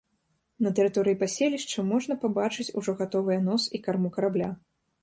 На тэрыторыі паселішча можна пабачыць ужо гатовыя нос і карму карабля.